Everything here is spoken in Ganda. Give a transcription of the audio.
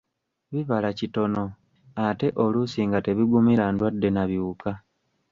Bibala kitono ate oluusi nga tebigumira ndwadde na biwuka.